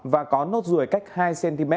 và có nốt ruồi cách hai cm